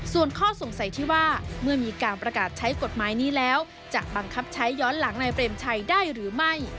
ส่วนข้อสงสัยที่ว่าเมื่อมีการประกาศใช้กฎหมายนี้แล้วจะบังคับใช้ย้อนหลังนายเปรมชัยได้หรือไม่